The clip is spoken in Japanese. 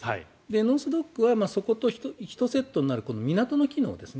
ノース・ドックは人とセットになる港の機能ですね。